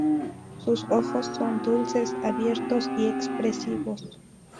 Sus ojos son dulces, abiertos y expresivos.